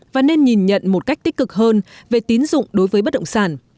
và nên nhìn nhận một cách tích cực hơn về tín dụng đối với bất động sản